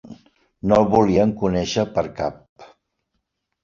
No el volien conèixer per cap.